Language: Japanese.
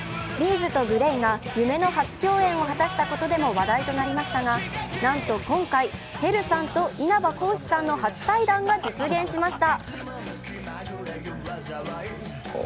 ’ｚとＧＬＡＹが夢の初共演を果たしたことでも話題となりましたが、なんと今回、ＴＥＲＵさんと稲葉浩志さんの初対談が実現しました。